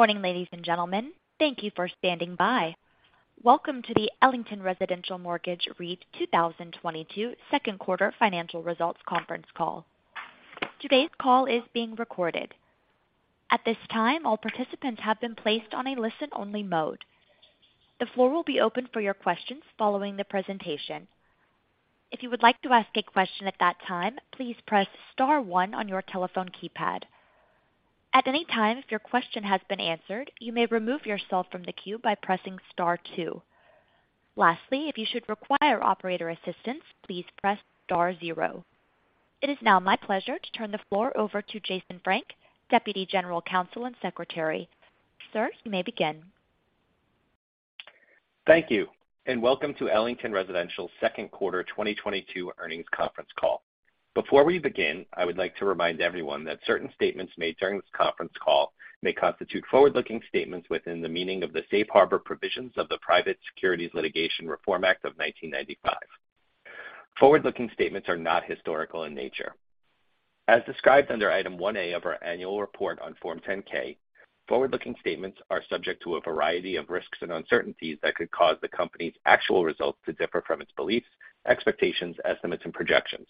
Good morning, ladies and gentlemen. Thank you for standing by. Welcome to the Ellington Residential 2022 Q2 financial results conference call. Today's call is being recorded. At this time, all participants have been placed on a listen-only mode. The floor will be open for your questions following the presentation. If you would like to ask a question at that time, please press star one on your telephone keypad. At any time, if your question has been answered, you may remove yourself from the queue by pressing star two. Lastly, if you should require operator assistance, please press star zero. It is now my pleasure to turn the floor over to Jason Frank, Deputy General Counsel and Secretary. Sir, you may begin. Thank you, and welcome to Ellington Residential Q2 2022 earnings conference call. Before we begin, I would like to remind everyone that certain statements made during this conference call may constitute forward-looking statements within the meaning of the Safe Harbor Provisions of the Private Securities Litigation Reform Act of 1995. Forward-looking statements are not historical in nature. As described under Item 1A of our annual report on Form 10-K, forward-looking statements are subject to a variety of risks and uncertainties that could cause the company's actual results to differ from its beliefs, expectations, estimates, and projections.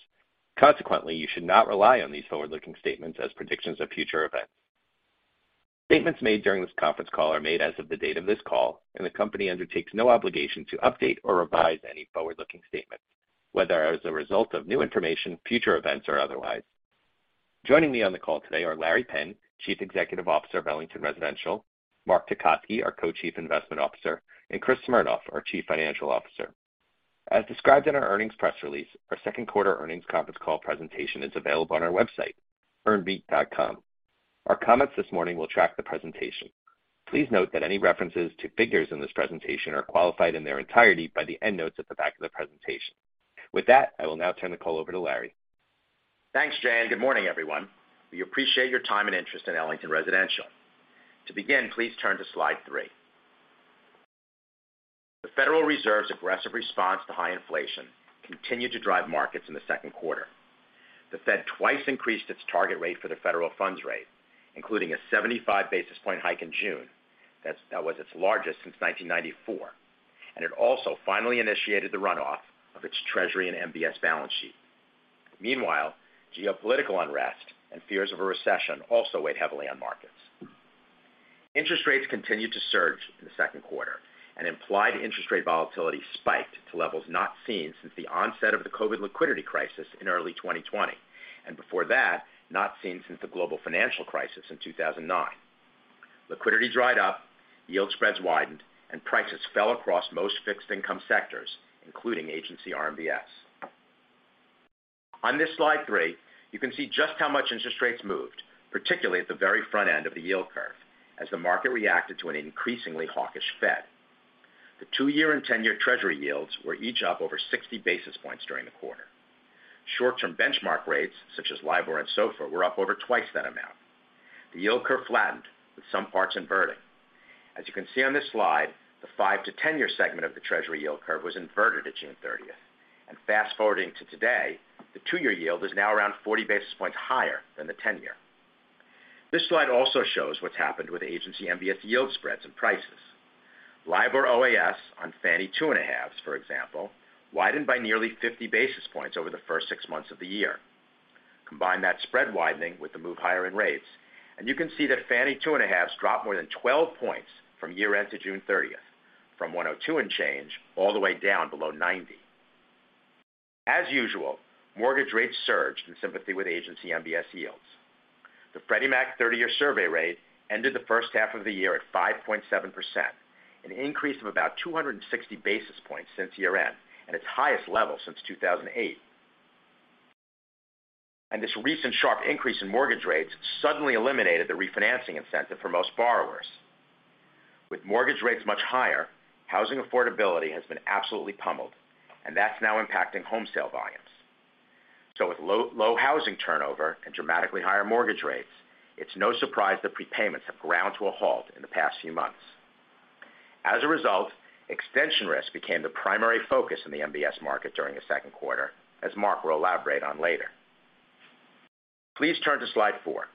Consequently, you should not rely on these forward-looking statements as predictions of future events. Statements made during this conference call are made as of the date of this call, and the company undertakes no obligation to update or revise any forward-looking statements, whether as a result of new information, future events, or otherwise. Joining me on the call today are Larry Penn, Chief Executive Officer of Ellington Residential, Mark Tecotzky, our Co-Chief Investment Officer, and Chris Smeriglio, our Chief Financial Officer. As described in our earnings press release, our Q2 earnings conference call presentation is available on our website, earnreit.com. Our comments this morning will track the presentation. Please note that any references to figures in this presentation are qualified in their entirety by the endnotes at the back of the presentation. With that, I will now turn the call over to Larry. Thanks, Jay, and good morning, everyone. We appreciate your time and interest in Ellington Residential. To begin, please turn to slide three. The Federal Reserve's aggressive response to high inflation continued to drive markets in the Q2. The Fed twice increased its target rate for the federal funds rate, including a 75 basis point hike in June. That was its largest since 1994. It also finally initiated the runoff of its Treasury and MBS balance sheet. Meanwhile, geopolitical unrest and fears of a recession also weighed heavily on markets. Interest rates continued to surge in the Q2, and implied interest rate volatility spiked to levels not seen since the onset of the COVID liquidity crisis in early 2020, and before that, not seen since the global financial crisis in 2009. Liquidity dried up, yield spreads widened, and prices fell across most fixed income sectors, including agency RMBS. On this slide three, you can see just how much interest rates moved, particularly at the very front end of the yield curve, as the market reacted to an increasingly hawkish Fed. The two-year and 10-year Treasury yields were each up over 60 basis points during the quarter. Short-term benchmark rates, such as LIBOR and SOFR, were up over twice that amount. The yield curve flattened, with some parts inverting. As you can see on this slide, the five- to 10-year segment of the Treasury yield curve was inverted at June 30th. Fast-forwarding to today, the two-year yield is now around 40 basis points higher than the 10-year. This slide also shows what's happened with agency MBS yield spreads and prices. LIBOR OAS on Fannie 2.5s, for example, widened by nearly 50 basis points over the first six months of the year. Combine that spread widening with the move higher in rates, and you can see that Fannie 2.5s dropped more than 12 points from year-end to June 30th, from 102 and change all the way down below 90. As usual, mortgage rates surged in sympathy with agency MBS yields. The Freddie Mac 30-year survey rate ended the first half of the year at 5.7%, an increase of about 260 basis points since year-end, at its highest level since 2008. This recent sharp increase in mortgage rates suddenly eliminated the refinancing incentive for most borrowers. With mortgage rates much higher, housing affordability has been absolutely pummeled, and that's now impacting home sale volumes. With low, low housing turnover and dramatically higher mortgage rates, it's no surprise that prepayments have ground to a halt in the past few months. As a result, extension risk became the primary focus in the MBS market during the Q2, as Mark will elaborate on later. Please turn to slide four.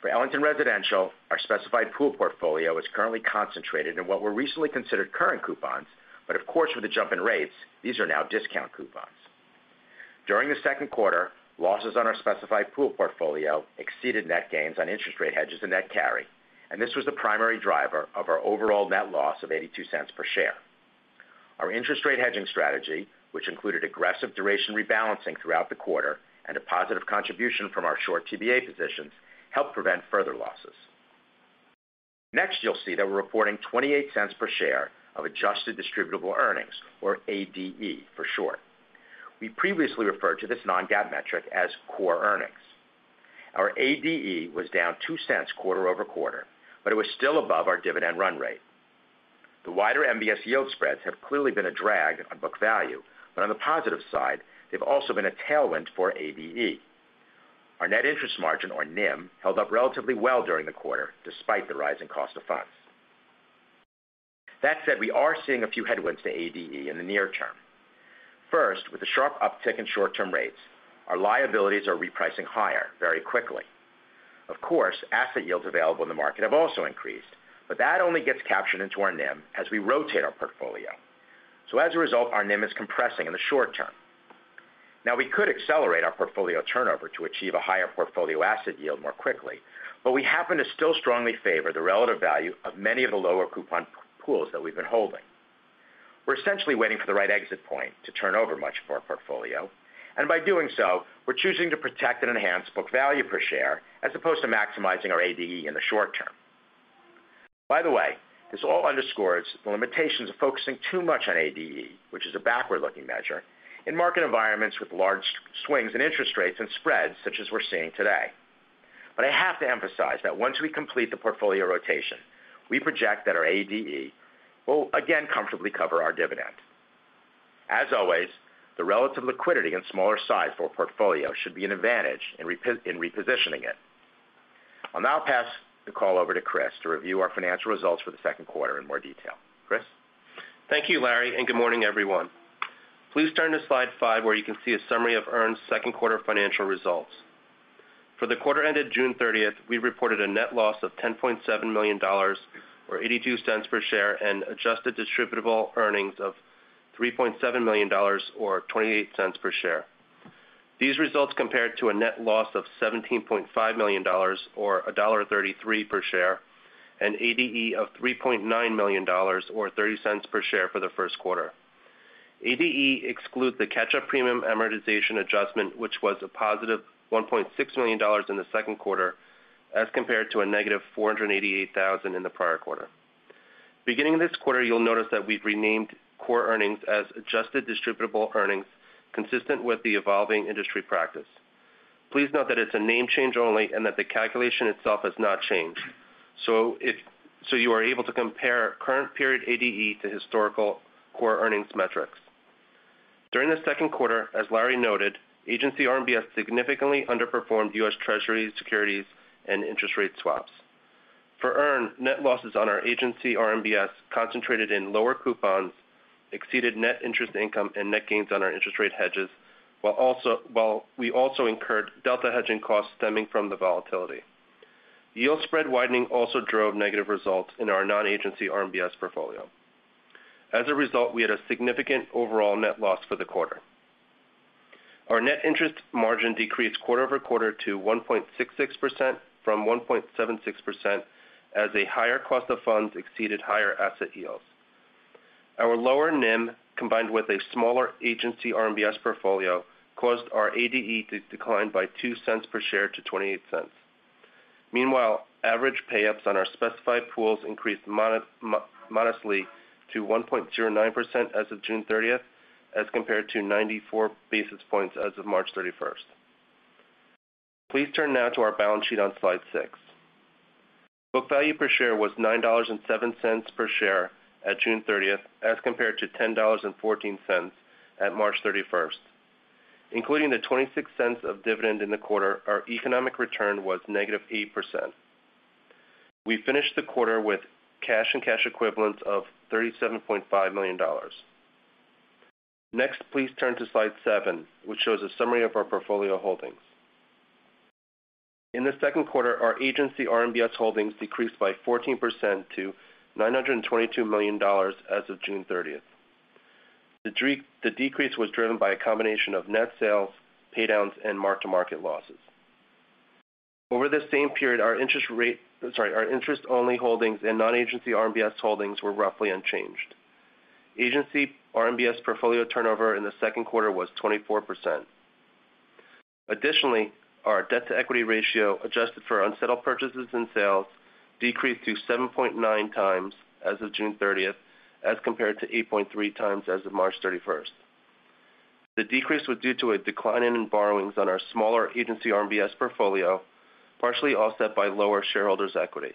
For Ellington Residential, our specified pool portfolio is currently concentrated in what were recently considered current coupons, but of course, with the jump in rates, these are now discount coupons. During the Q2, losses on our specified pool portfolio exceeded net gains on interest rate hedges and net carry, and this was the primary driver of our overall net loss of $0.82 per share. Our interest rate hedging strategy, which included aggressive duration rebalancing throughout the quarter and a positive contribution from our short TBA positions, helped prevent further losses. Next, you'll see that we're reporting $0.28 per share of adjusted distributable earnings, or ADE for short. We previously referred to this non-GAAP metric as core earnings. Our ADE was down $0.02 QoQ, but it was still above our dividend run rate. The wider MBS yield spreads have clearly been a drag on book value, but on the positive side, they've also been a tailwind for ADE. Our net interest margin, or NIM, held up relatively well during the quarter despite the rising cost of funds. That said, we are seeing a few headwinds to ADE in the near term. First, with the sharp uptick in short-term rates, our liabilities are repricing higher very quickly. Of course, asset yields available in the market have also increased, but that only gets captured into our NIM as we rotate our portfolio. As a result, our NIM is compressing in the short term. Now, we could accelerate our portfolio turnover to achieve a higher portfolio asset yield more quickly, but we happen to still strongly favor the relative value of many of the lower coupon pools that we've been holding. We're essentially waiting for the right exit point to turn over much of our portfolio, and by doing so, we're choosing to protect and enhance book value per share as opposed to maximizing our ADE in the short term. By the way, this all underscores the limitations of focusing too much on ADE, which is a backward-looking measure in market environments with large swings in interest rates and spreads such as we're seeing today. But I have to emphasize that once we complete the portfolio rotation, we project that our ADE will again comfortably cover our dividend. As always, the relative liquidity and smaller size for a portfolio should be an advantage in repositioning it. I'll now pass the call over to Chris to review our financial results for the Q2 in more detail. Chris? Thank you, Larry, and good morning, everyone. Please turn to slide five, where you can see a summary of EARN's second quarter financial results. For the quarter ended June 30, we reported a net loss of $10.7 million or $0.82 per share and adjusted distributable earnings of $3.7 million or $0.28 per share. These results compared to a net loss of $17.5 million or $1.33 per share, and ADE of $3.9 million or $0.30 per share for the Q1. ADE excludes the catch-up premium amortization adjustment, which was a positive $1.6 million in the Q2, as compared to a negative $488,000 in the prior quarter. Beginning this quarter, you'll notice that we've renamed core earnings as adjusted distributable earnings consistent with the evolving industry practice. Please note that it's a name change only and that the calculation itself has not changed. You are able to compare current period ADE to historical core earnings metrics. During the Q2, as Larry noted, agency RMBS significantly underperformed U.S. Treasury securities and interest rate swaps. For EARN, net losses on our agency RMBS concentrated in lower coupons exceeded net interest income, and net gains on our interest rate hedges, while we also incurred delta hedging costs stemming from the volatility. Yield spread widening also drove negative results in our non-agency RMBS portfolio. As a result, we had a significant overall net loss for the quarter. Our net interest margin decreased QoQ to 1.66% from 1.76% as a higher cost of funds exceeded higher asset yields. Our lower NIM, combined with a smaller agency RMBS portfolio, caused our ADE to decline by $0.02 per share to $0.28. Meanwhile, average payups on our specified pools increased modestly to 1.09% as of June 30, as compared to 94 basis points as of March 31st. Please turn now to our balance sheet on slide six. Book value per share was $9.07 per share at June 30th as compared to $10.14 at March 31st. Including the $0.26 of dividend in the quarter, our economic return was -8%. We finished the quarter with cash and cash equivalents of $37.5 million. Next, please turn to slide seven, which shows a summary of our portfolio holdings. In the Q2, our agency RMBS holdings decreased by 14% to $922 million as of June 30th. The decrease was driven by a combination of net sales, pay downs, and mark-to-market losses. Over the same period, our interest-only holdings and non-agency RMBS holdings were roughly unchanged. Agency RMBS portfolio turnover in the Q2 was 24%. Additionally, our debt-to-equity ratio adjusted for unsettled purchases and sales decreased to 7.9x as of June 30th as compared to 8.3x as of March 31st. The decrease was due to a decline in borrowings on our smaller agency RMBS portfolio, partially offset by lower shareholders' equity.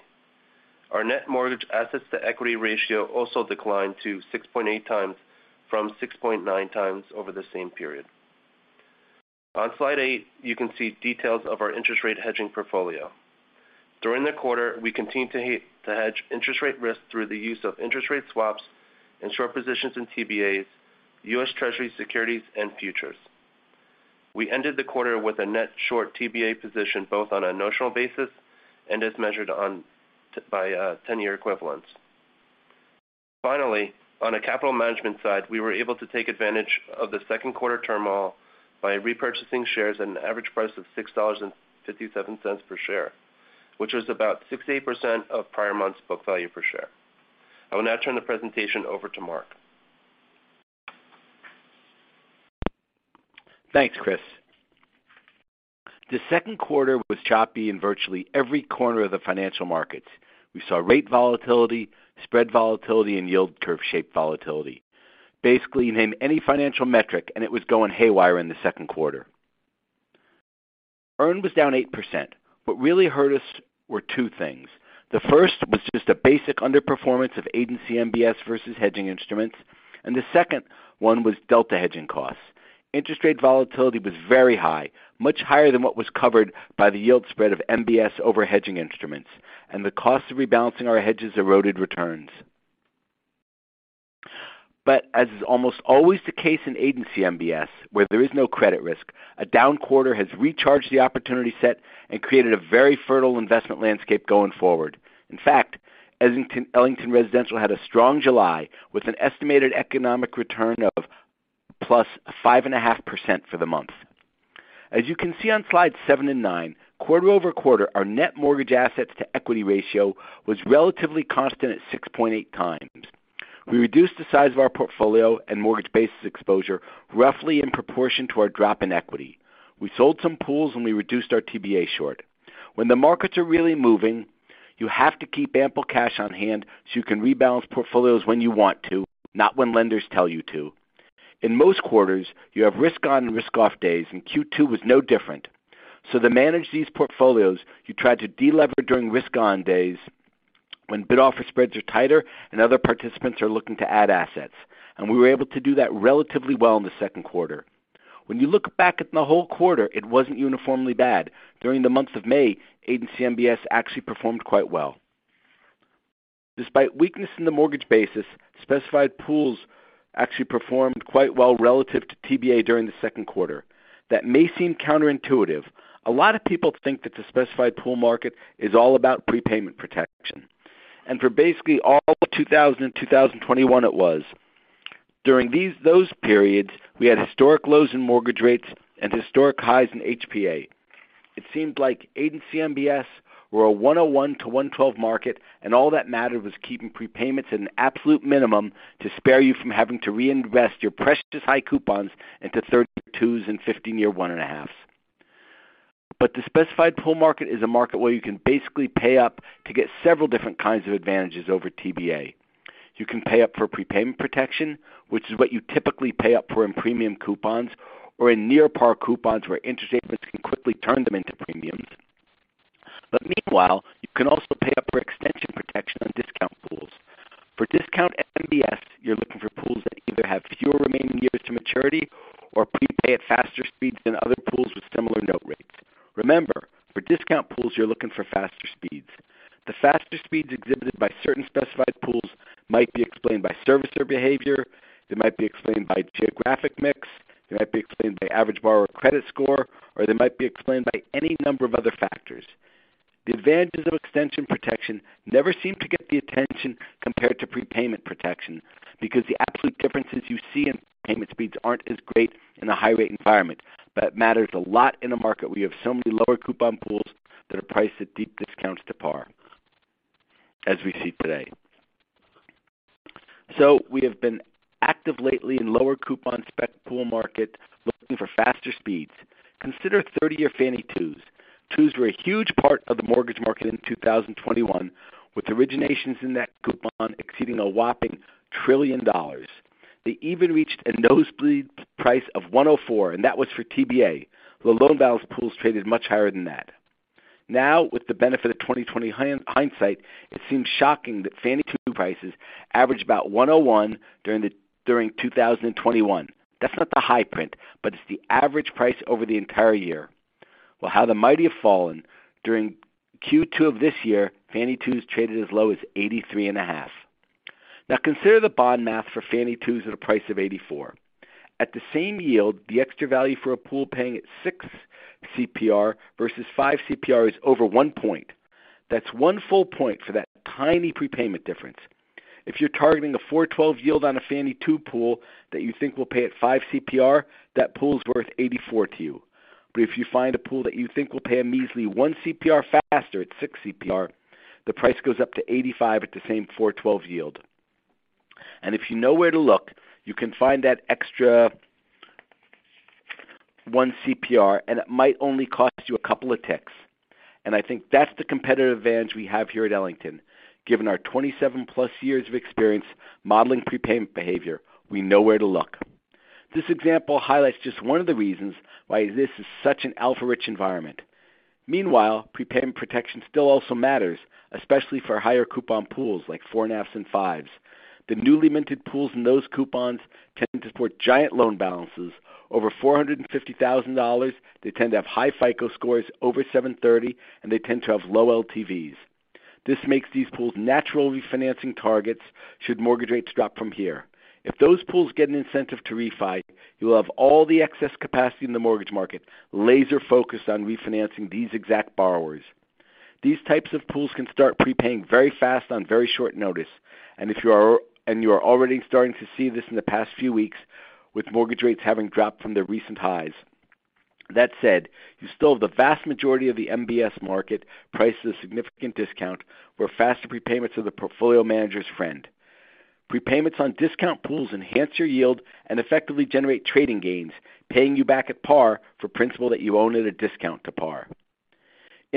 Our net mortgage assets to equity ratio also declined to 6.8x from 6.9x over the same period. On slide eight, you can see details of our interest rate hedging portfolio. During the quarter, we continued to hedge interest rate risk through the use of interest rate swaps and short positions in TBAs, U.S. Treasury securities, and futures. We ended the quarter with a net short TBA position, both on a notional basis and as measured by 10-year equivalents. Finally, on a capital management side, we were able to take advantage of the Q2 turmoil by repurchasing shares at an average price of $6.57 per share, which was about 68% of prior month's book value per share. I will now turn the presentation over to Mark. Thanks, Chris. The Q2 was choppy in virtually every corner of the financial markets. We saw rate volatility, spread volatility, and yield curve shape volatility. Basically, you name any financial metric, and it was going haywire in the Q2. EARN was down 8%. What really hurt us were two things. The first was just a basic underperformance of agency MBS versus hedging instruments, and the second one was delta hedging costs. Interest rate volatility was very high, much higher than what was covered by the yield spread of MBS over hedging instruments and the cost of rebalancing our hedges eroded returns. As is almost always the case in agency MBS where there is no credit risk, a down quarter has recharged the opportunity set and created a very fertile investment landscape going forward. In fact, Ellington Residential had a strong July with an estimated economic return of +5.5% for the month. As you can see on slide seven and nine, QoQ, our net mortgage assets to equity ratio was relatively constant at 6.8x. We reduced the size of our portfolio and mortgage basis exposure roughly in proportion to our drop in equity. We sold some pools and we reduced our TBA short. When the markets are really moving, you have to keep ample cash on hand so you can rebalance portfolios when you want to, not when lenders tell you to. In most quarters, you have risk on and risk off days, and Q2 was no different. To manage these portfolios, you try to deliver during risk on days when bid offer spreads are tighter and other participants are looking to add assets. We were able to do that relatively well in the Q2. When you look back at the whole quarter, it wasn't uniformly bad. During the month of May, agency MBS actually performed quite well. Despite weakness in the mortgage basis, specified pools actually performed quite well relative to TBA during the Q2. That may seem counterintuitive. A lot of people think that the specified pool market is all about prepayment protection. For basically all of 2021 it was. During those periods, we had historic lows in mortgage rates and historic highs in HPA. It seemed like agency MBS were a 101-112 market, and all that mattered was keeping prepayments at an absolute minimum to spare you from having to reinvest your precious high coupons into 3.2s and 15-year 1.5s. The specified pool market is a market where you can basically pay up to get several different kinds of advantages over TBA. You can pay up for prepayment protection, which is what you typically pay up for in premium coupons, or in near par coupons where interest payments can quickly turn them into premiums. Meanwhile, you can also pay up for extension protection on discount pools. For discount MBS, you're looking for pools that either have fewer remaining years to maturity or prepay at faster speeds than other pools with similar note rates. Remember, for discount pools, you're looking for faster speeds. The faster speeds exhibited by certain specified pools might be explained by servicer behavior, they might be explained by geographic mix, they might be explained by average borrower credit score, or they might be explained by any number of other factors. The advantages of extension protection never seem to get the attention compared to prepayment protection because the absolute differences you see in prepayment speeds aren't as great in a high rate environment. It matters a lot in a market where you have so many lower coupon pools that are priced at deep discounts to par, as we see today. We have been active lately in lower coupon spec pool market looking for faster speeds. Consider 30-year Fannie 2s. 2s were a huge part of the mortgage market in 2021, with originations in that coupon exceeding a whopping $1 trillion. They even reached a nosebleed price of 104, and that was for TBA. The loan balance pools traded much higher than that. Now, with the benefit of 20/20 hindsight, it seems shocking that Fannie 2 prices averaged about 101 during 2021. That's not the high print, but it's the average price over the entire year. Well, how the mighty have fallen. During Q2 of this year, Fannie 2s traded as low as 83.5. Now consider the bond math for Fannie 2s at a price of 84. At the same yield, the extra value for a pool paying at six CPR versus five CPR is over one point. That's one full point for that tiny prepayment difference. If you're targeting a 4.12 yield on a Fannie 2 pool that you think will pay at five CPR, that pool is worth 84 to you. If you find a pool that you think will pay a measly one CPR faster at six CPR, the price goes up to 85 at the same 4.12 yield. If you know where to look, you can find that extra one CPR, and it might only cost you a couple of ticks. I think that's the competitive advantage we have here at Ellington. Given our 27+ years of experience modeling prepayment behavior, we know where to look. This example highlights just one of the reasons why this is such an alpha-rich environment. Meanwhile, prepayment protection still also matters, especially for higher coupon pools like 4.5s and 5s. The newly minted pools in those coupons tend to support giant loan balances over $450,000. They tend to have high FICO scores over 730, and they tend to have low LTVs. This makes these pools natural refinancing targets should mortgage rates drop from here. If those pools get an incentive to refi, you'll have all the excess capacity in the mortgage market laser focused on refinancing these exact borrowers. These types of pools can start prepaying very fast on very short notice. You are already starting to see this in the past few weeks with mortgage rates having dropped from their recent highs. That said, you still have the vast majority of the MBS market priced at a significant discount where faster prepayments are the portfolio manager's friend. Prepayments on discount pools enhance your yield and effectively generate trading gains, paying you back at par for principal that you own at a discount to par.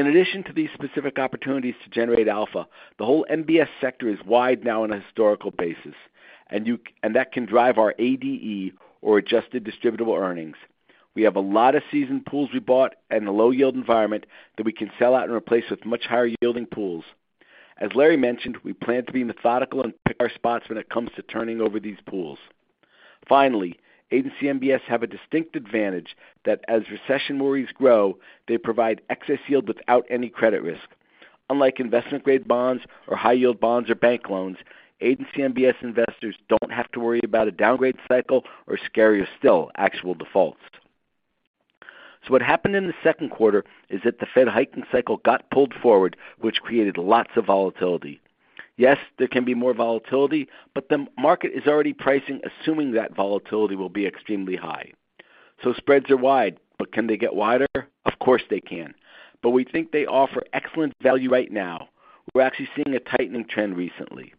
In addition to these specific opportunities to generate alpha, the whole MBS sector is wide now on a historical basis, and that can drive our ADE, or adjusted distributable earnings. We have a lot of seasoned pools we bought and a low yield environment that we can sell out and replace with much higher yielding pools. As Larry mentioned, we plan to be methodical and pick our spots when it comes to turning over these pools. Finally, agency MBS have a distinct advantage that as recession worries grow, they provide excess yield without any credit risk. Unlike investment-grade bonds or high-yield bonds or bank loans, agency MBS investors don't have to worry about a downgrade cycle or, scarier still, actual defaults. What happened in the Q2 is that the Fed hiking cycle got pulled forward, which created lots of volatility. Yes, there can be more volatility, but the market is already pricing, assuming that volatility will be extremely high. Spreads are wide, but can they get wider? Of course, they can, but we think they offer excellent value right now. We're actually seeing a tightening trend recently.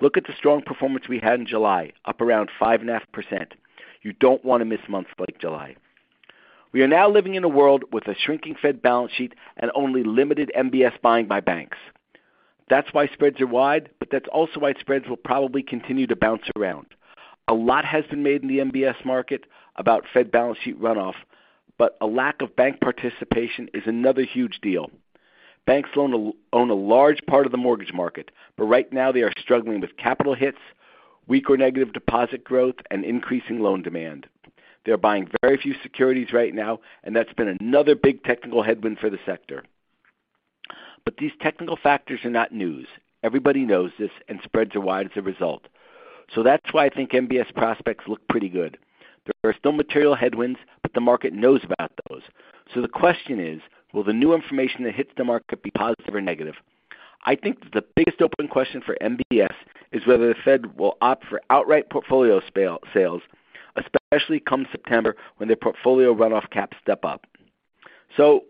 Look at the strong performance we had in July, up around 5.5%. You don't wanna miss months like July. We are now living in a world with a shrinking Fed balance sheet and only limited MBS buying by banks. That's why spreads are wide, but that's also why spreads will probably continue to bounce around. A lot has been made in the MBS market about Fed balance sheet runoff, but a lack of bank participation is another huge deal. Banks own a large part of the mortgage market, but right now they are struggling with capital hits, weak or negative deposit growth, and increasing loan demand. They're buying very few securities right now, and that's been another big technical headwind for the sector. These technical factors are not news. Everybody knows this, and spreads are wide as a result. That's why I think MBS prospects look pretty good. There are still material headwinds, but the market knows about those. The question is: Will the new information that hits the market be positive or negative? I think the biggest open question for MBS is whether the Fed will opt for outright portfolio sales, especially come September, when their portfolio runoff caps step up.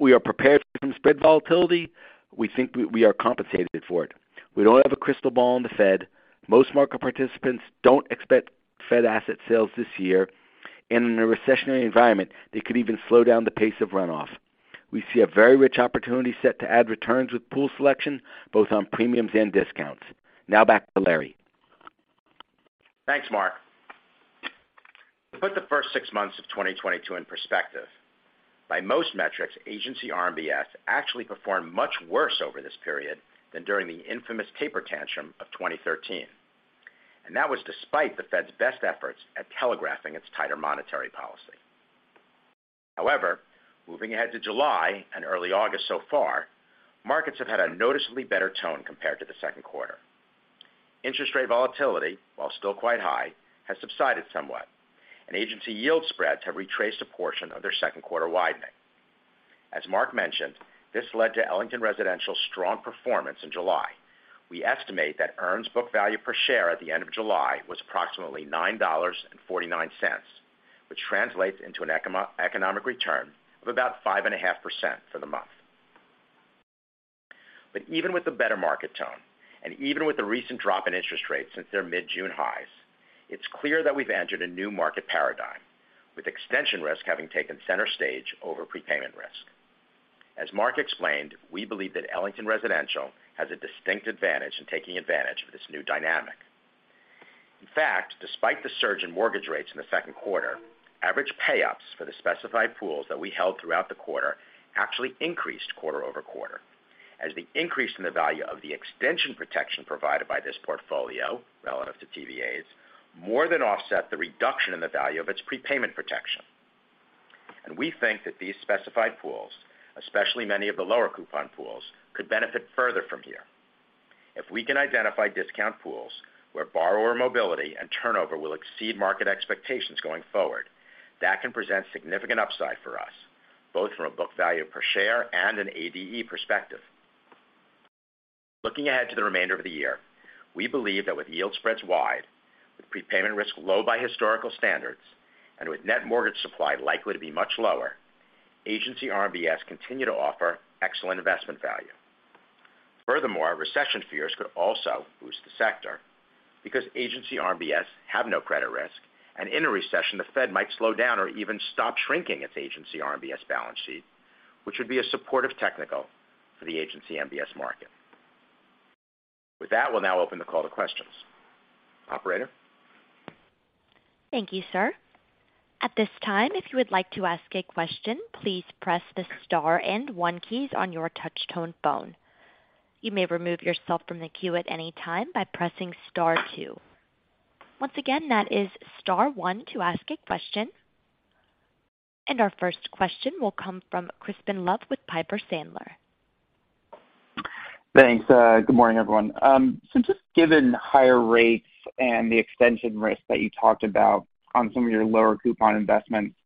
We are prepared from spread volatility. We think we are compensated for it. We don't have a crystal ball on the Fed. Most market participants don't expect Fed asset sales this year. In a recessionary environment, they could even slow down the pace of runoff. We see a very rich opportunity set to add returns with pool selection, both on premiums and discounts. Now back to Larry. Thanks, Mark. To put the first six months of 2022 in perspective, by most metrics, agency RMBS actually performed much worse over this period than during the infamous taper tantrum of 2013. That was despite the Fed's best efforts at telegraphing its tighter monetary policy. However, moving ahead to July and early August so far, markets have had a noticeably better tone compared to the Q2. Interest rate volatility, while still quite high, has subsided somewhat, and agency yield spreads have retraced a portion of their second quarter widening. As Mark mentioned, this led to Ellington Residential's strong performance in July. We estimate that EARN's book value per share at the end of July was approximately $9.49, which translates into an economic return of about 5.5% for the month. Even with the better market tone, and even with the recent drop in interest rates since their mid-June highs, it's clear that we've entered a new market paradigm, with extension risk having taken center stage over prepayment risk. As Mark explained, we believe that Ellington Residential has a distinct advantage in taking advantage of this new dynamic. In fact, despite the surge in mortgage rates in the Q2, average payoffs for the specified pools that we held throughout the quarter actually increased QoQ, as the increase in the value of the extension protection provided by this portfolio relative to TBAs more than offset the reduction in the value of its prepayment protection. We think that these specified pools, especially many of the lower coupon pools, could benefit further from here. If we can identify discount pools where borrower mobility and turnover will exceed market expectations going forward, that can present significant upside for us, both from a book value per share and an ADE perspective. Looking ahead to the remainder of the year, we believe that with yield spreads wide, with prepayment risk low by historical standards, and with net mortgage supply likely to be much lower, agency RMBS continue to offer excellent investment value. Furthermore, recession fears could also boost the sector because agency RMBS have no credit risk, and in a recession, the Fed might slow down or even stop shrinking its agency RMBS balance sheet, which would be a supportive technical for the agency MBS market. With that, we'll now open the call to questions. Operator? Thank you, sir. At this time, if you would like to ask a question, please press the star and one keys on your touch tone phone. You may remove yourself from the queue at any time by pressing star two. Once again, that is star one to ask a question. Our first question will come from Crispin Love with Piper Sandler. Thanks. Good morning, everyone. Just given higher rates and the extension risk that you talked about on some of your lower coupon investments,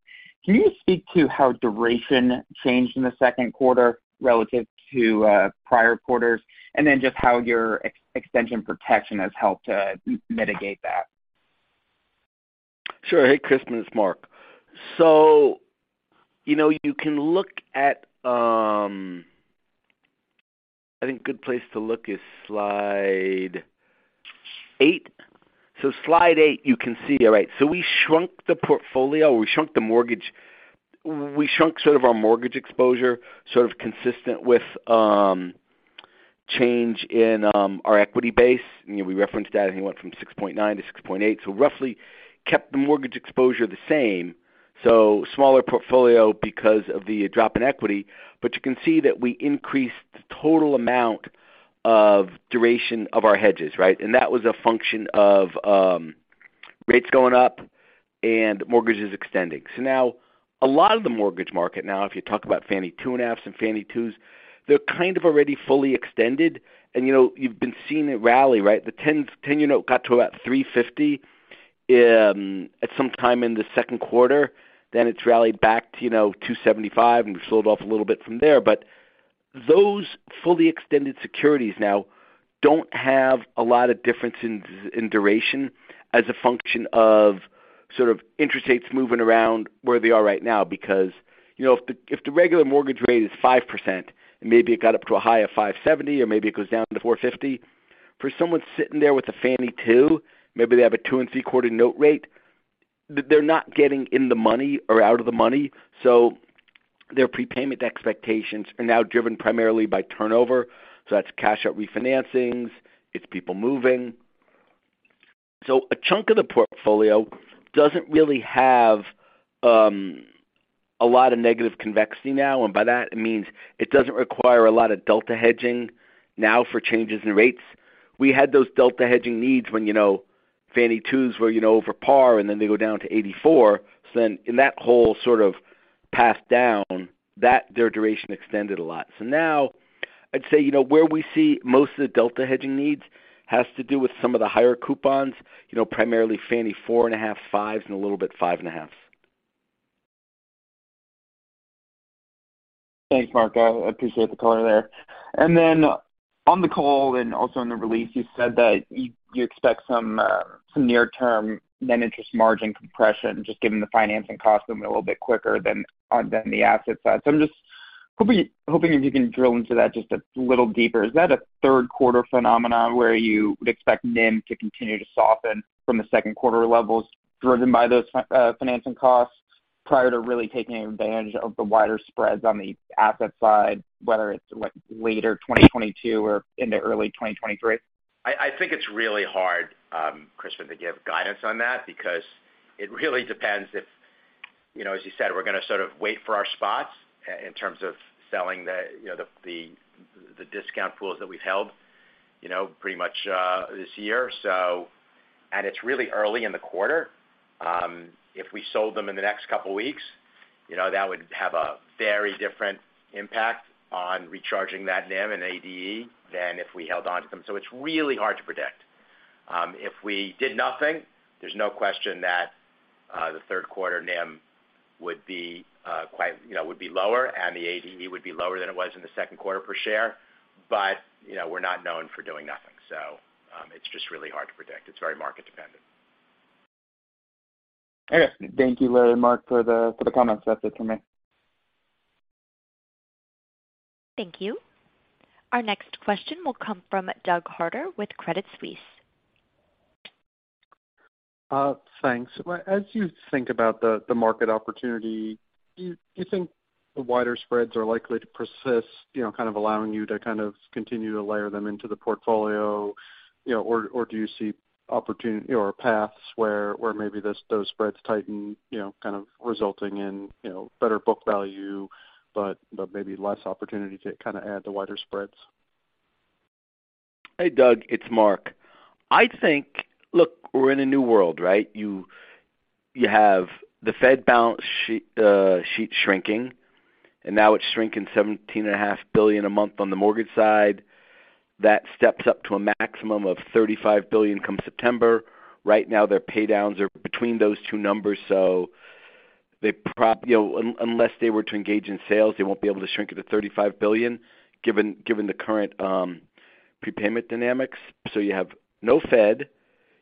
can you just speak to how duration changed in the Q2 relative to prior quarters, and then just how your extension protection has helped to mitigate that? Sure. Hey, Crispin, it's Mark. You know, you can look at. I think a good place to look is slide eight. Slide eight, you can see. All right. We shrunk the portfolio. We shrunk sort of our mortgage exposure, sort of consistent with change in our equity base. You know, we referenced that, and it went from 6.9 to 6.8. Roughly kept the mortgage exposure the same. Smaller portfolio because of the drop in equity. You can see that we increased the total amount of duration of our hedges, right? That was a function of rates going up and mortgages extending. Now a lot of the mortgage market, if you talk about Fannie Mae 2.5s and Fannie Mae 2s, they're kind of already fully extended. You know, you've been seeing it rally, right? The 10-year got to about 3.50 at some time in the Q2, then it's rallied back to 2.75, and we've sold off a little bit from there. Those fully extended securities now don't have a lot of difference in duration as a function of sort of interest rates moving around where they are right now. Because you know, if the regular mortgage rate is 5% and maybe it got up to a high of 5.70% or maybe it goes down to 4.50%, for someone sitting there with a Fannie 2, maybe they have a 2.75% note rate, they're not getting in the money or out of the money, so their prepayment expectations are now driven primarily by turnover. That's cash out refinancings. It's people moving. A chunk of the portfolio doesn't really have a lot of negative convexity now. By that it means it doesn't require a lot of delta hedging now for changes in rates. We had those delta hedging needs when you know, Fannie 2s were you know, over par, and then they go down to 84. Then in that whole sort of path down, that their duration extended a lot. Now I'd say, you know, where we see most of the delta hedging needs has to do with some of the higher coupons, you know, primarily Fannie 4.5s and a little bit 5.5s. Thanks, Mark. I appreciate the color there. On the call and also in the release, you said that you expect some near-term net interest margin compression just given the financing cost a little bit quicker than the asset side. I'm just hoping if you can drill into that just a little deeper. Is that a Q3 phenomenon where you would expect NIM to continue to soften from the Q2 levels driven by those financing costs prior to really taking advantage of the wider spreads on the asset side, whether it's later 2022 or into early 2023? I think it's really hard, Crispin, to give guidance on that because it really depends if, you know, as you said, we're going to sort of wait for our spots in terms of selling the, you know, the discount pools that we've held, you know, pretty much this year. It's really early in the quarter. If we sold them in the next couple weeks, you know, that would have a very different impact on recharging that NIM and ADE than if we held onto them. It's really hard to predict. If we did nothing, there's no question that the Q3 NIM would be quite, you know, would be lower and the ADE would be lower than it was in the second quarter per share. you know, we're not known for doing nothing, so, it's just really hard to predict. It's very market dependent. Okay. Thank you, Larry and Mark, for the comments. That's it for me. Thank you. Our next question will come from Douglas Harter with Credit Suisse. Thanks. As you think about the market opportunity, do you think the wider spreads are likely to persist, you know, kind of allowing you to kind of continue to layer them into the portfolio, you know, or do you see opportunity or paths where maybe those spreads tighten, you know, kind of resulting in, you know, better book value, but maybe less opportunity to kind of add the wider spreads? Hey, Doug, it's Mark. Look, we're in a new world, right? You have the Fed balance sheet shrinking, and now it's shrinking $17.5 billion a month on the mortgage side. That steps up to a maximum of $35 billion come September. Right now, their paydowns are between those two numbers, so you know, unless they were to engage in sales, they won't be able to shrink it to $35 billion, given the current prepayment dynamics. You have no Fed.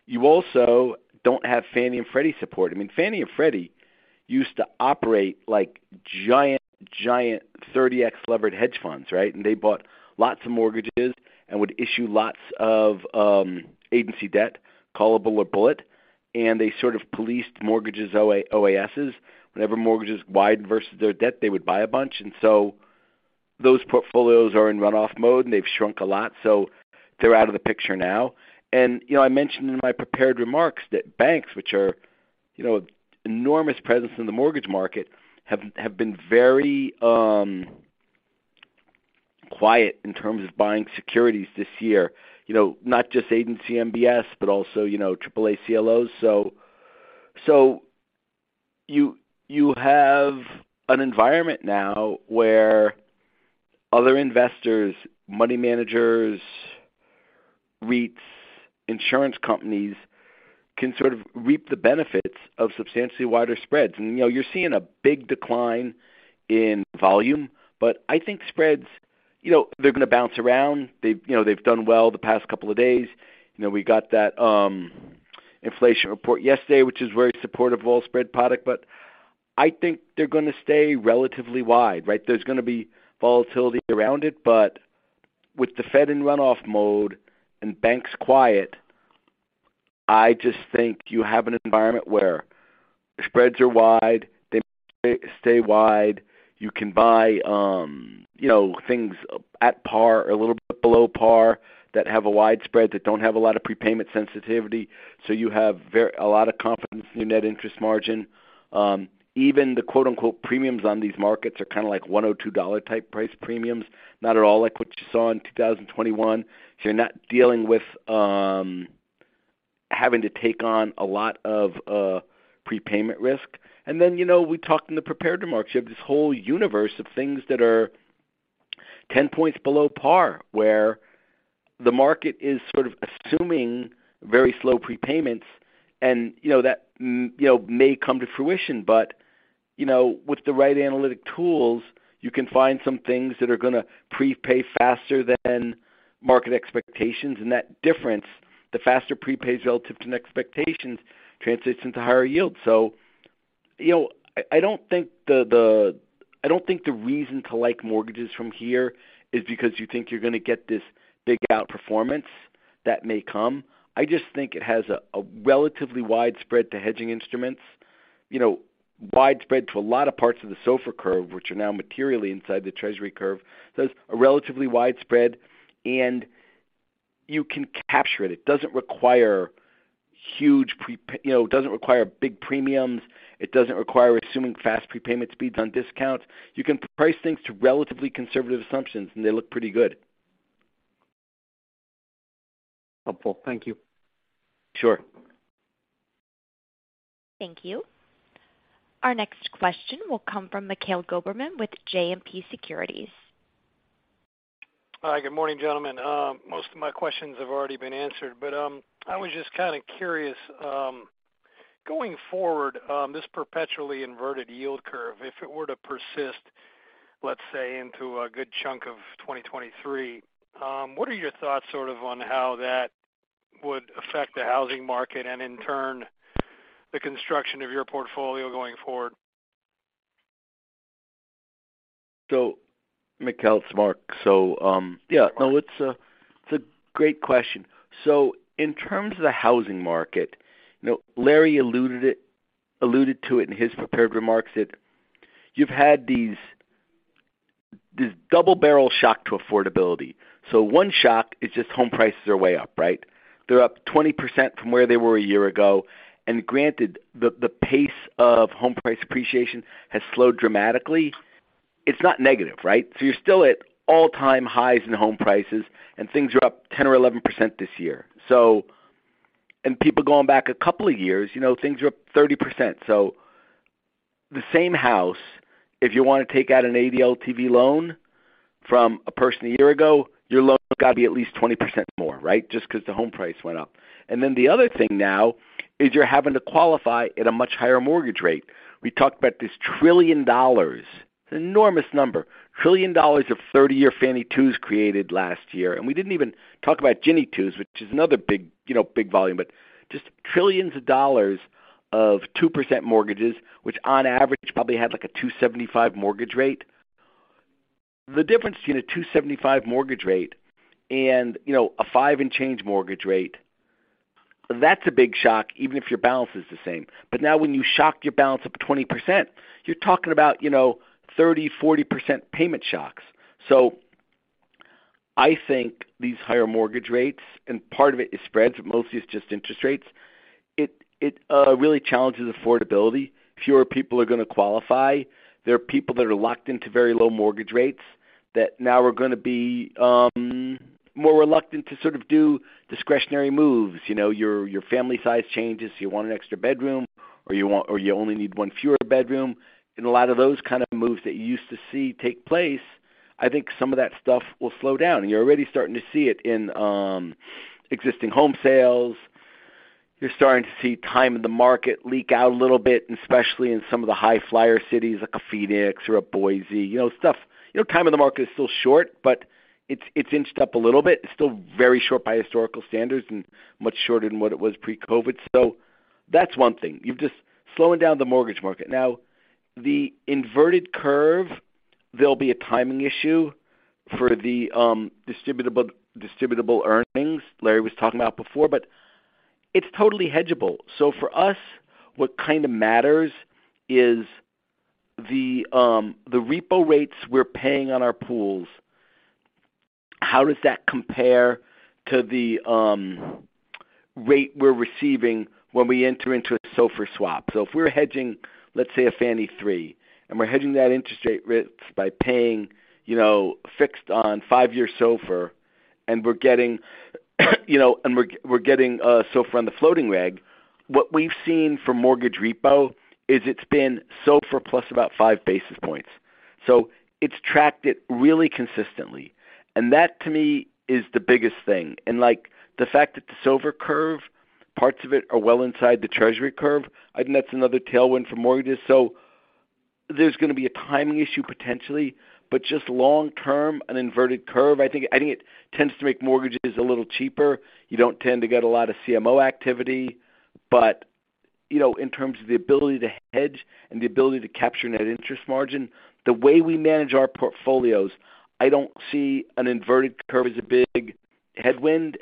You also don't have Fannie Mae and Freddie Mac support. I mean, Fannie Mae and Freddie Mac used to operate like giant 30x levered hedge funds, right? They bought lots of mortgages and would issue lots of agency debt, callable or bullet, and they sort of policed mortgage OASs. Whenever mortgages widen versus their debt, they would buy a bunch. Those portfolios are in runoff mode, and they've shrunk a lot, so they're out of the picture now. You know, I mentioned in my prepared remarks that banks, which are, you know, enormous presence in the mortgage market, have been very quiet in terms of buying securities this year. You know, not just agency MBS, but also, you know, triple-A CLOs. You have an environment now where other investors, money managers, REITs, insurance companies, can sort of reap the benefits of substantially wider spreads. You know, you're seeing a big decline in volume, but I think spreads, you know, they're going to bounce around. They've done well the past couple of days. You know, we got that inflation report yesterday, which is very supportive of all spread product, but I think they're gonna stay relatively wide, right? There's gonna be volatility around it, but with the Fed in runoff mode and banks quiet, I just think you have an environment where spreads are wide. They may stay wide. You can buy, you know, things at par or a little bit below par that have a wide spread that don't have a lot of prepayment sensitivity. So you have a lot of confidence in your net interest margin. Even the quote-unquote premiums on these markets are kinda like $102-type price premiums. Not at all like what you saw in 2021. So you're not dealing with having to take on a lot of prepayment risk. Then, you know, we talked in the prepared remarks. You have this whole universe of things that are 10 points below par, where the market is sort of assuming very slow prepayments and, you know, that, you know, may come to fruition. You know, with the right analytic tools, you can find some things that are gonna prepay faster than market expectations. That difference, the faster prepays relative to expectations, translates into higher yields. You know, I don't think the reason to like mortgages from here is because you think you're gonna get this big outperformance that may come. I just think it has a relatively wide spread to hedging instruments. You know, wide spread to a lot of parts of the SOFR curve, which are now materially inside the Treasury curve. It's a relatively widespread, and you can capture it. You know, it doesn't require big premiums. It doesn't require assuming fast prepayment speeds on discounts. You can price things to relatively conservative assumptions, and they look pretty good. Helpful. Thank you. Sure. Thank you. Our next question will come from Mikhail Goberman with JMP Securities. Hi. Good morning, gentlemen. Most of my questions have already been answered, but I was just kinda curious. Going forward, this perpetually inverted yield curve, if it were to persist, let's say, into a good chunk of 2023, what are your thoughts sort of on how that would affect the housing market and in turn the construction of your portfolio going forward? Mikhail, it's Mark. No, it's a great question. In terms of the housing market, you know, Larry alluded to it in his prepared remarks that you've had this double-barrel shock to affordability. One shock is just home prices are way up, right? They're up 20% from where they were a year ago. Granted, the pace of home price appreciation has slowed dramatically. It's not negative, right? You're still at all-time highs in home prices and things are up 10 or 11% this year. People going back a couple of years, you know, things are up 30%. The same house, if you wanna take out an 80 LTV loan from what it was a year ago, your loan's gotta be at least 20% more, right? Just 'cause the home price went up. Then the other thing now is you're having to qualify at a much higher mortgage rate. We talked about this $1 trillion. Enormous number. $1 trillion of 30-year Fannie Twos created last year. We didn't even talk about Ginnie 2s, which is another big, you know, big volume. Just trillions of dollars of 2% mortgages, which on average probably had, like, a 2.75% mortgage rate. The difference between a 2.75% mortgage rate and, you know, a five and change mortgage rate, that's a big shock even if your balance is the same. Now when you shock your balance up 20%, you're talking about, you know, 30, 40% payment shocks. I think these higher mortgage rates, and part of it is spreads, but mostly it's just interest rates. It really challenges affordability. Fewer people are gonna qualify. There are people that are locked into very low mortgage rates that now are gonna be more reluctant to sort of do discretionary moves. You know, your family size changes. You want an extra bedroom, or you only need one fewer bedroom. A lot of those kind of moves that you used to see take place. I think some of that stuff will slow down. You're already starting to see it in existing home sales. You're starting to see time in the market leak out a little bit, and especially in some of the high-flyer cities like Phoenix or Boise. You know, stuff. You know, time in the market is still short, but it's inched up a little bit. It's still very short by historical standards and much shorter than what it was pre-COVID. That's one thing. Slowing down the mortgage market. Now the inverted curve, there'll be a timing issue for the distributable earnings Larry was talking about before, but it's totally hedgeable. For us, what kind of matters is the repo rates we're paying on our pools, how does that compare to the rate we're receiving when we enter into a SOFR swap? If we're hedging, let's say, a Fannie 3, and we're hedging that interest rate risk by paying, you know, fixed on five-year SOFR, and we're getting, you know, SOFR on the floating leg, what we've seen from mortgage repo is it's been SOFR plus about five basis points. It's tracked it really consistently, and that to me is the biggest thing. Like, the fact that the SOFR curve, parts of it are well inside the Treasury curve, I think that's another tailwind for mortgages. There's gonna be a timing issue potentially, but just long term, an inverted curve, I think it tends to make mortgages a little cheaper. You don't tend to get a lot of CMO activity, but, you know, in terms of the ability to hedge and the ability to capture net interest margin, the way we manage our portfolios, I don't see an inverted curve as a big headwind.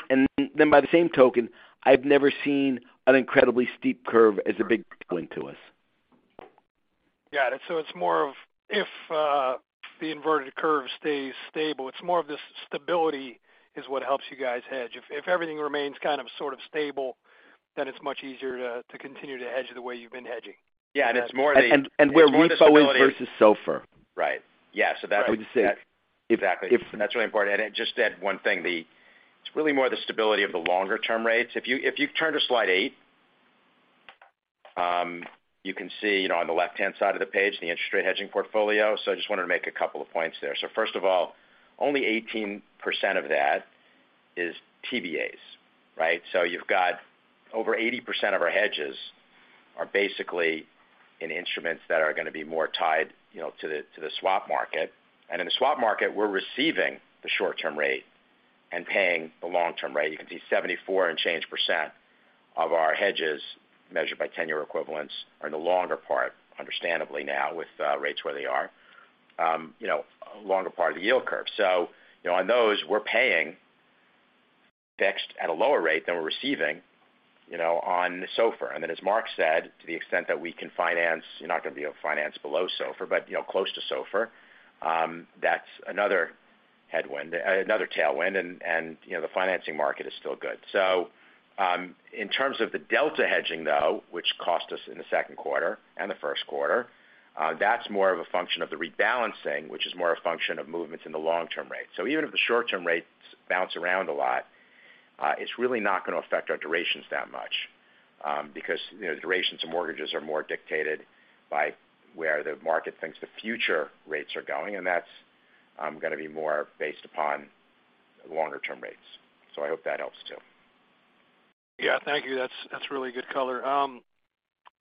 Then by the same token, I've never seen an incredibly steep curve as a big tailwind to us. Yeah. It's more of if the inverted curve stays stable, it's more of this stability is what helps you guys hedge. If everything remains kind of sort of stable, then it's much easier to continue to hedge the way you've been hedging. It's more where repo is versus SOFR. That's really important. Just to add one thing, it's really more the stability of the long-term rates. If you turn to slide eight, you can see, you know, on the left-hand side of the page, the interest rate hedging portfolio. I just wanted to make a couple of points there. First of all, only 18% of that is TBAs, right? You've got over 80% of our hedges basically in instruments that are gonna be more tied, you know, to the swap market. In the swap market, we're receiving the short-term rate and paying the long-term rate. You can see 74 and change % of our hedges measured by tenor equivalents are in the longer part, understandably now with rates where they are, you know, longer part of the yield curve. You know, on those, we're paying fixed at a lower rate than we're receiving, you know, on SOFR. As Mark said, to the extent that we can finance, you're not gonna be able to finance below SOFR, but, you know, close to SOFR, that's another tailwind and, you know, the financing market is still good. In terms of the delta hedging, though, which cost us in the Q2 and the Q1, that's more of a function of the rebalancing, which is more a function of movements in the long-term rate. Even if the short-term rates bounce around a lot, it's really not gonna affect our durations that much, because, you know, the durations of mortgages are more dictated by where the market thinks the future rates are going, and that's gonna be more based upon longer-term rates. I hope that helps too. Yeah. Thank you. That's really good color.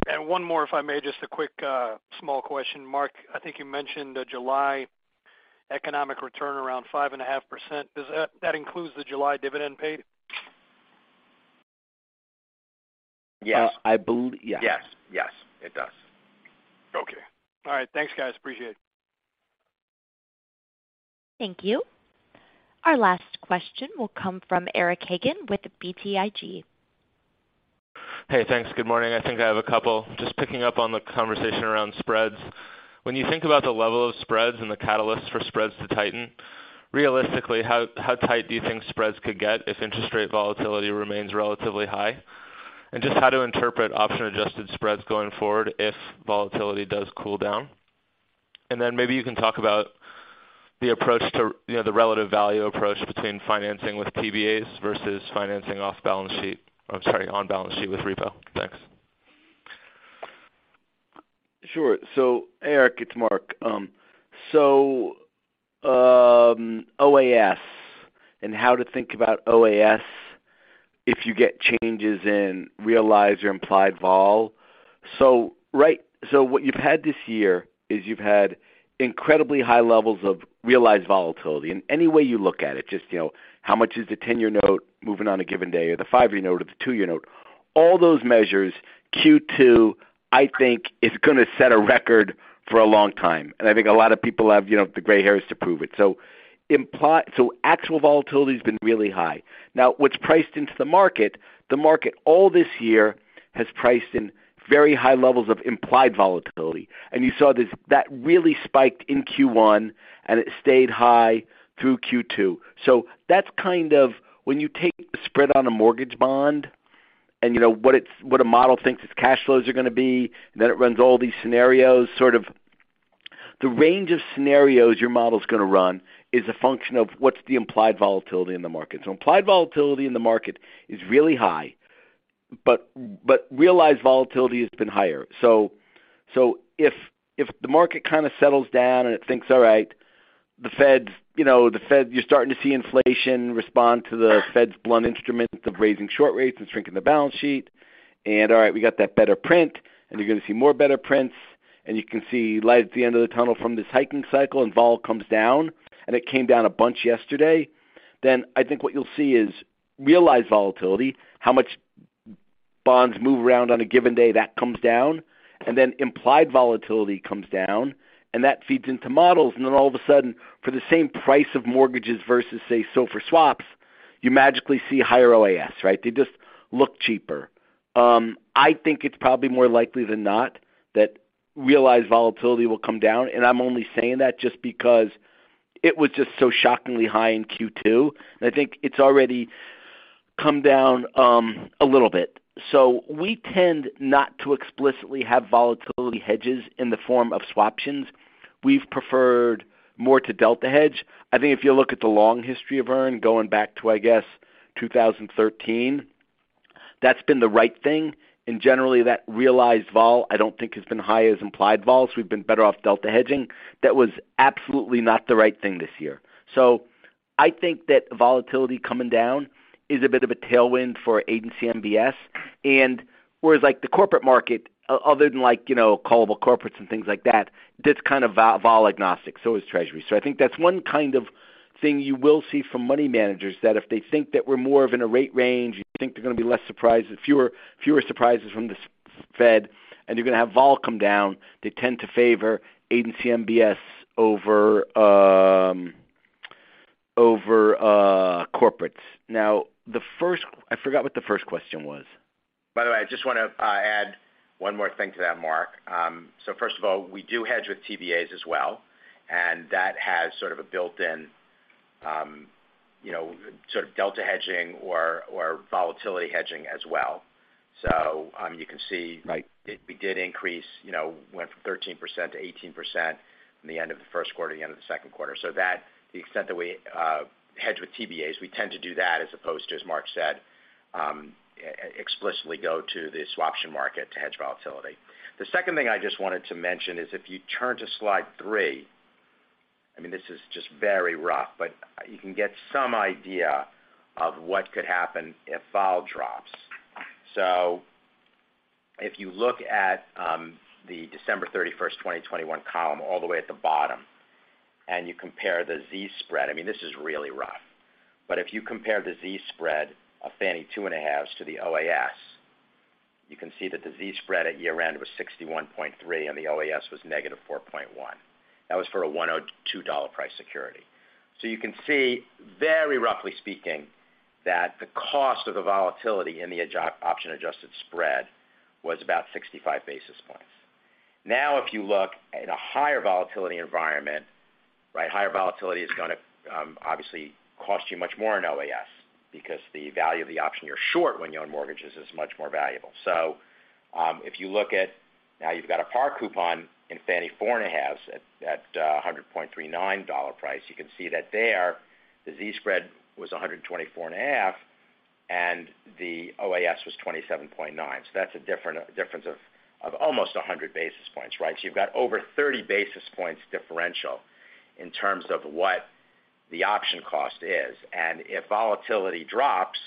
One more, if I may, just a quick small question. Mark, I think you mentioned the July economic return around 5.5%. Does that include the July dividend paid? Yes. I believe yes. Yes. Yes, it does. Okay. All right. Thanks, guys. Appreciate it. Thank you. Our last question will come from Eric Hagen with BTIG. Hey, thanks. Good morning. I think I have a couple. Just picking up on the conversation around spreads. When you think about the level of spreads and the catalyst for spreads to tighten, realistically, how tight do you think spreads could get if interest rate volatility remains relatively high? And just how to interpret option-adjusted spreads going forward if volatility does cool down? And then maybe you can talk about the approach to, you know, the relative value approach between financing with TBAs versus financing on balance sheet with repo. Thanks. Sure. Eric, it's Mark. OAS and how to think about OAS if you get changes in realized or implied vol. Right. What you've had this year is you've had incredibly high levels of realized volatility. Any way you look at it, just, you know, how much is the 10-year note moving on a given day or the five-year note or the two-year note? All those measures, Q2, I think, is gonna set a record for a long time. I think a lot of people have, you know, the gray hairs to prove it. Actual volatility's been really high. Now what's priced into the market, the market all this year has priced in very high levels of implied volatility. You saw this, that really spiked in Q1, and it stayed high through Q2. That's kind of when you take the spread on a mortgage bond and you know what a model thinks its cash flows are gonna be, and then it runs all these scenarios. Sort of the range of scenarios your model's gonna run is a function of what's the implied volatility in the market. Implied volatility in the market is really high, but realized volatility has been higher. If the market kinda settles down and it thinks, all right, the Feds, you know, the Feds, you're starting to see inflation respond to the Fed's blunt instruments of raising short rates and shrinking the balance sheet. All right, we got that better print, and you're gonna see more better prints, and you can see light at the end of the tunnel from this hiking cycle and vol comes down, and it came down a bunch yesterday. I think what you'll see is realized volatility, how much bonds move around on a given day, that comes down, and then implied volatility comes down, and that feeds into models. All of a sudden, for the same price of mortgages versus, say, SOFR swaps, you magically see higher OAS, right? They just look cheaper. I think it's probably more likely than not that realized volatility will come down, and I'm only saying that just because it was just so shockingly high in Q2. I think it's already come down a little bit. We tend not to explicitly have volatility hedges in the form of swaption. We've preferred more to delta hedge. I think if you look at the long history of EARN going back to, I guess, 2013, that's been the right thing. Generally that realized vol, I don't think has been high as implied vol, so we've been better off delta hedging. That was absolutely not the right thing this year. I think that volatility coming down is a bit of a tailwind for agency MBS. Whereas like the corporate market, other than like, you know, callable corporates and things like that's kind of vol agnostic, so is Treasury. I think that's one kind of thing you will see from money managers, that if they think that we're more of in a rate range, you think they're gonna be less surprised, fewer surprises from the Fed and you're gonna have vol come down. They tend to favor agency MBS over corporates. Now, I forgot what the first question was. By the way, I just wanna add one more thing to that, Mark. First of all, we do hedge with TBAs as well, and that has sort of a built-in, you know, sort of delta hedging or volatility hedging as well. You can see- Right We did increase, you know, went from 13% to 18% from the end of the Q1 to the end of the Q2. To the extent that we hedge with TBAs, we tend to do that as opposed to, as Mark said, explicitly go to the swaption market to hedge volatility. The second thing I just wanted to mention is if you turn to slide three. I mean, this is just very rough, but you can get some idea of what could happen if vol drops. If you look at the December 31, 2021, column all the way at the bottom, and you compare the Z-spread. I mean, this is really rough. If you compare the Z-spread of Fannie 2.5s to the OAS, you can see that the Z-spread at year-end was 61.3, and the OAS was -4.1. That was for a $102 price security. You can see, very roughly speaking, that the cost of the volatility in the option-adjusted spread was about 65 basis points. If you look at a higher volatility environment, right, higher volatility is gonna obviously cost you much more in OAS because the value of the option you're short when you own mortgages is much more valuable. Now you've got a par coupon in Fannie 4.5s at a $100.39 price. You can see that there, the Z-spread was 124.5, and the OAS was 27.9. That's a difference of almost 100 basis points, right? You've got over 30 basis points differential in terms of what the option cost is. If volatility drops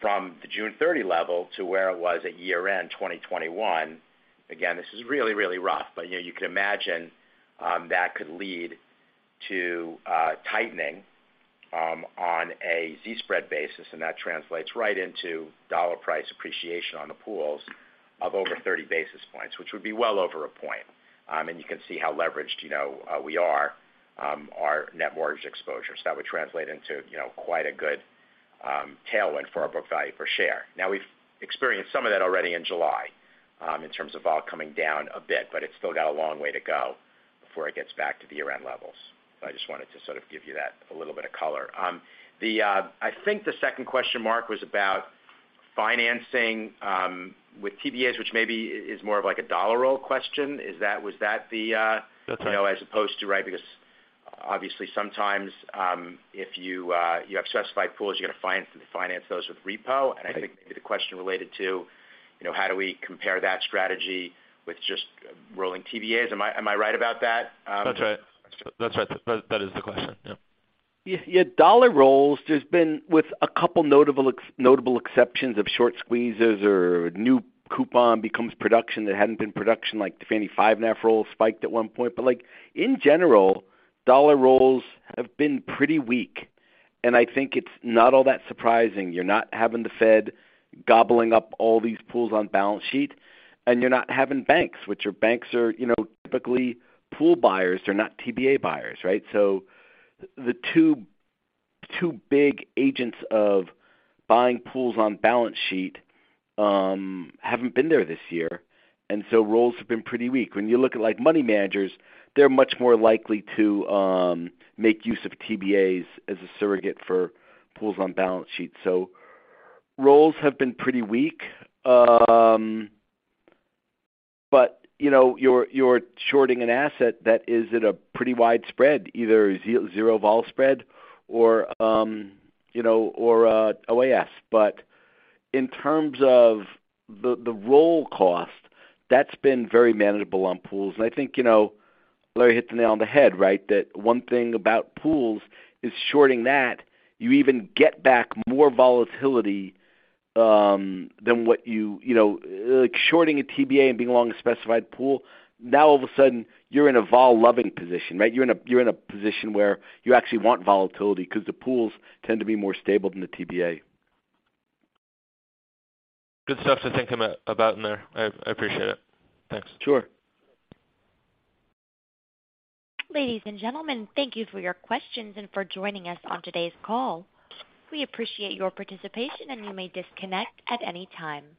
from the June 30 level to where it was at year-end 2021, again, this is really, really rough, but you know, you could imagine that could lead to tightening on a Z-spread basis, and that translates right into dollar price appreciation on the pools of over 30 basis points, which would be well over a point. You can see how leveraged, you know, we are, our net mortgage exposure. That would translate into, you know, quite a good tailwind for our book value per share. Now, we've experienced some of that already in July, in terms of vol coming down a bit, but it's still got a long way to go before it gets back to the year-end levels. I just wanted to sort of give you that, a little bit of color. I think the second question, Mark, was about financing with TBAs, which maybe is more of like a dollar roll question. Was that the That's right. You know, as opposed to, right. Because obviously sometimes, if you have specified pools, you're gonna finance those with repo. Right. I think maybe the question related to, you know, how do we compare that strategy with just rolling TBAs. Am I right about that? That's right. That is the question. Yeah. Yeah, yeah, dollar rolls, there's been with a couple notable exceptions of short squeezes or new coupon becoming production that hadn't been production, like the Fannie 5.5 roll spiked at one point. Like, in general, dollar rolls have been pretty weak, and I think it's not all that surprising. You're not having the Fed gobbling up all these pools on balance sheet, and you're not having banks, which are, you know, typically pool buyers. They're not TBA buyers, right? The two big agents of buying pools on balance sheet haven't been there this year. Rolls have been pretty weak. When you look at, like, money managers, they're much more likely to make use of TBAs as a surrogate for pools on balance sheet. Rolls have been pretty weak. You know, you're shorting an asset that is at a pretty wide spread, either zero-vol spread or you know, or OAS. In terms of the roll cost, that's been very manageable on pools. I think you know, Larry hit the nail on the head, right? That one thing about pools is shorting that, you even get back more volatility than what you know, like shorting a TBA and being long a specified pool, now all of a sudden, you're in a vol-loving position, right? You're in a position where you actually want volatility because the pools tend to be more stable than the TBA. Good stuff to think about in there. I appreciate it. Thanks. Sure. Ladies and gentlemen, thank you for your questions and for joining us on today's call. We appreciate your participation, and you may disconnect at any time.